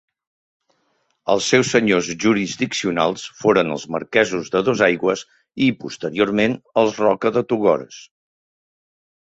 Els seus senyors jurisdiccionals foren els marquesos de Dosaigües i posteriorment, els Roca de Togores.